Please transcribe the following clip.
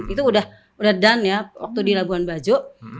itu udah done ya waktu di labuan banjo